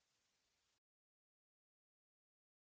jangan lupa like share dan subscribe